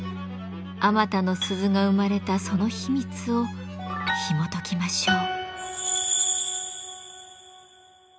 あまたの鈴が生まれたその秘密をひもときましょう。